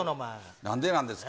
なんでなんですか？